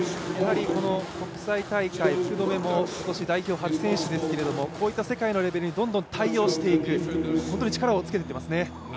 国際大会、福留も今年初選手ですけれども、こういった世界のレベルの選手にどんどん対応していく、本当に力をつけていってますよね。